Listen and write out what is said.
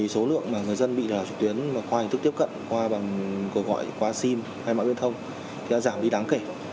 số lượng người dân bị đảo trực tuyến qua hình thức tiếp cận qua gọi qua xim hay mạng biên thông đã giảm đi đáng kể